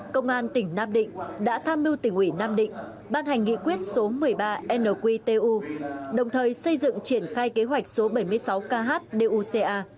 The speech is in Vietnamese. công an tỉnh nam định đã tham mưu tỉnh ủy nam định ban hành nghị quyết số một mươi ba nqtu đồng thời xây dựng triển khai kế hoạch số bảy mươi sáu khduca